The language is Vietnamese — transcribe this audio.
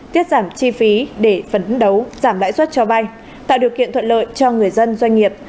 tiết giảm chi phí để phấn đấu giảm lãi suất cho bay tạo điều kiện thuận lợi cho người dân doanh nghiệp